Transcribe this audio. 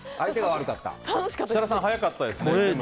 設楽さん、速かったですね。